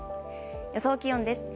予想気温です。